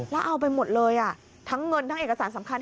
แล้วเอาไปหมดเลยทั้งเงินทั้งเอกสารสำคัญ